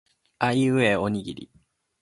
あいうえおにぎり